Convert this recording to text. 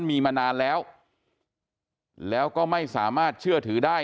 มีมานานแล้วแล้วก็ไม่สามารถเชื่อถือได้